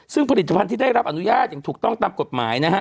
ซึ่งผลิตภัณฑ์ที่ได้รับอนุญาตอย่างถูกต้องตามกฎหมายนะฮะ